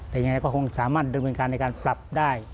แต่ยังไงก็คงสามารถดำเนินการในการปรับได้